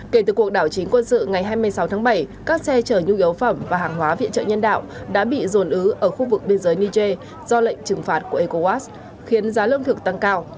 kể từ cuộc đảo chính quân sự ngày hai mươi sáu tháng bảy các xe chở nhu yếu phẩm và hàng hóa viện trợ nhân đạo đã bị dồn ứ ở khu vực biên giới niger do lệnh trừng phạt của ecowas khiến giá lương thực tăng cao